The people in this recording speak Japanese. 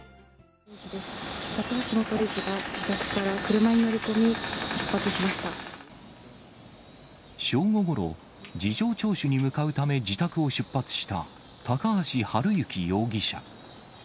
高橋元理事が自宅から車に乗正午ごろ、事情聴取に向かうため、自宅を出発した高橋治之容疑者。